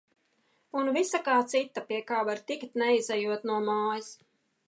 Un visa kā cita, pie kā var tikt, neizejot no mājas.